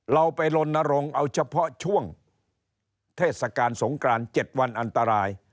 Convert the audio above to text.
เราไปลนรงค์เอาเฉพาะช่วงเทศกาลสงกราน๗วันอันตราย